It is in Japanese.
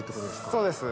そうです。